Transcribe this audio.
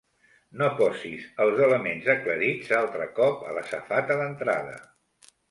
No posis els elements aclarits altre cop a la safata d'entrada.